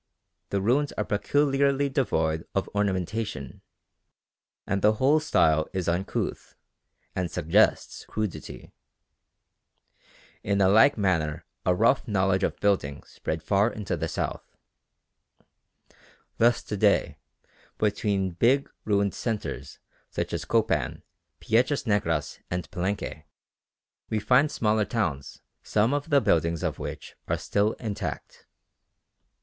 The ruins are peculiarly devoid of ornamentation, and the whole style is uncouth and suggests crudity. In a like manner a rough knowledge of building spread far into the south. Thus to day, between big ruined centres such as Copan, Piedras Negras, and Palenque, we find smaller towns some of the buildings of which are still intact.